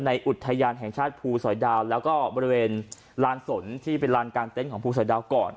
อุทยานแห่งชาติภูสอยดาวแล้วก็บริเวณลานสนที่เป็นลานกลางเต็นต์ของภูสอยดาวก่อน